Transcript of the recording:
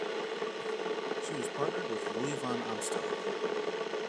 She was partnered with Louis Van Amstel.